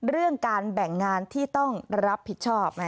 เรื่องการแบ่งงานที่ต้องรับผิดชอบ